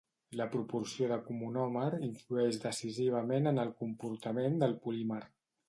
La proporció de comonómer influeix decisivament en el comportament del polímer.